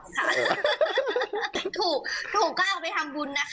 ถูกก็เอาไปทำบุญนะครับ